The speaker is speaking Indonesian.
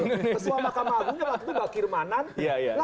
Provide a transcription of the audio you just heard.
semua makamah agungnya waktu itu bakir manan